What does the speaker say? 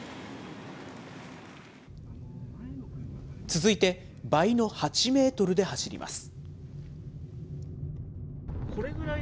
続いて、倍の８メートルで走ります。